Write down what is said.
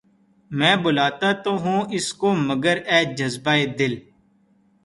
میں بلاتا تو ہوں اس کو مگر اے جذبہ ِ دل